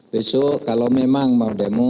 besok kalau memang mau demo